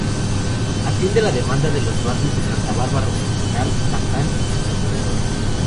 Atiende la demanda de los barrios Santa Bárbara Occidental, Batán y sus alrededores.